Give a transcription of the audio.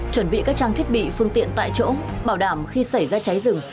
chuẩn bị các trang thiết bị phương tiện tại chỗ bảo đảm khi xảy ra cháy rừng